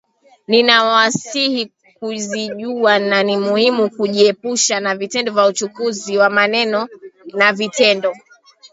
Ninawasihi kujizuia na ni muhimu kujiepusha na vitendo vya uchokozi, kwa maneno na vitendo